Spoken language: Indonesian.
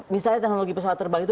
misalnya teknologi pesawat terbang itu